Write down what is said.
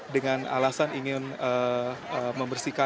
dengan alasan ingin membersihkan